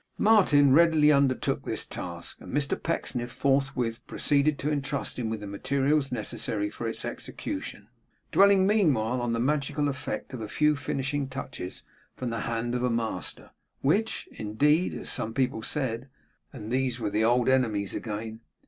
Martin readily undertook this task, and Mr Pecksniff forthwith proceeded to entrust him with the materials necessary for its execution; dwelling meanwhile on the magical effect of a few finishing touches from the hand of a master; which, indeed, as some people said (and these were the old enemies again!)